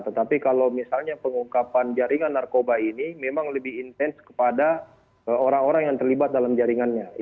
tetapi kalau misalnya pengungkapan jaringan narkoba ini memang lebih intens kepada orang orang yang terlibat dalam jaringannya